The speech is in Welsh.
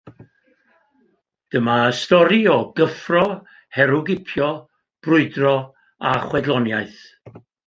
Dyma stori o gyffro, herwgipio, brwydro a chwedloniaeth.